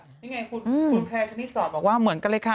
นี่ไงคุณแพร่ชนิดสอดบอกว่าเหมือนกันเลยค่ะ